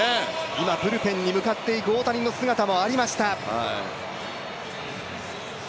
今、ブルペンに向かっていく大谷の姿もありました。